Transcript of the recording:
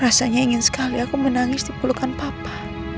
rasanya ingin sekali aku menangis di pelukan papa